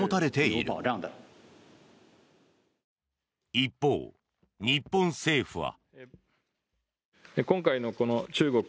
一方、日本政府は。